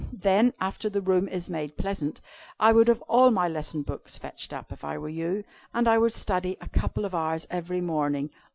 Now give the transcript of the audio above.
Then, after the room is made pleasant, I would have all my lesson books fetched up, if I were you, and I would study a couple of hours every morning."